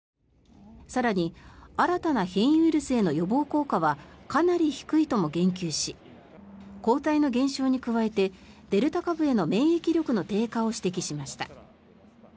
更に、新たな変異ウイルスへの予防効果はかなり低いとも言及し抗体の減少に加えてデルタ株への免疫力の低下を指摘しました。